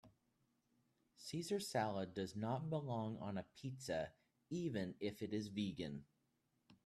Caesar salad does not belong on a pizza even if it is vegan.